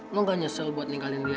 lo nggak nyesel buat ninggalin dia